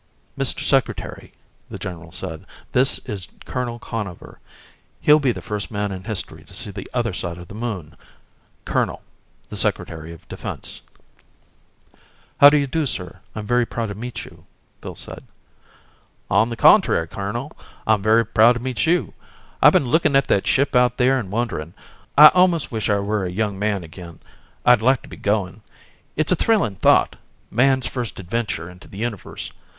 "Mr. Secretary," the general said, "this is Colonel Conover. He'll be the first man in history to see the other side of the Moon. Colonel the Secretary of Defense." "How do you do, sir. I'm very proud to meet you," Phil said. "On the contrary, colonel. I'm very proud to meet you. I've been looking at that ship out there and wondering. I almost wish I were a young man again. I'd like to be going. It's a thrilling thought man's first adventure into the universe.